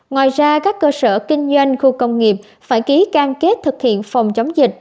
ngoài ra các cơ sở kinh doanh khu công nghiệp phải ký cam kết thực hiện phòng chống dịch